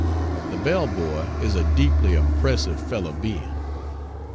A bell buoy is a deeply impressive fellow being.